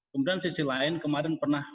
kemudian sisi lain kemarin pernah